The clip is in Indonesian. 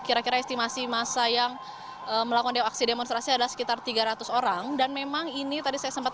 kira kira estimasi masa yang melakukan aksi demonstrasi adalah sekitar tiga ratus orang dan memang ini tadi saya sempat